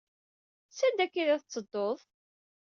S anda akka id d at tteduḍ?